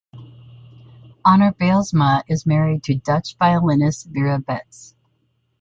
Anner Bylsma is married to Dutch violinist Vera Beths.